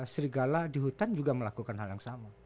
serigala di hutan juga melakukan hal yang sama